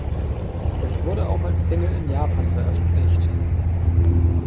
Es wurde auch als Single in Japan veröffentlicht.